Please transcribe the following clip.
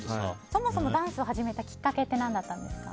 そもそもダンスを始めたきっかけって何だったんですか？